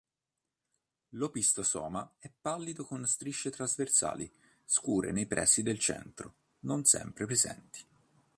L'opistosoma è pallido con strisce trasversali scure nei pressi del centro, non sempre presenti.